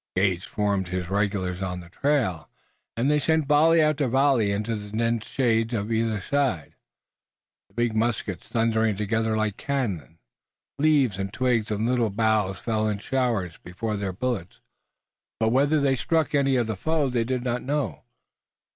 Gage formed his regulars on the trail, and they sent volley after volley into the dense shades on either side, the big muskets thundering together like cannon. Leaves and twigs and little boughs fell in showers before their bullets, but whether they struck any of the foe they did not know.